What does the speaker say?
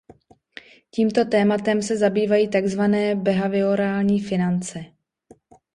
Tímto tématem se zabývají takzvané behaviorální finance.